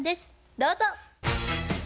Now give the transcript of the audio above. どうぞ！